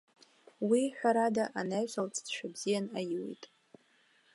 Уи, ҳәарада, анаҩс алҵшәа бзиа аиуит.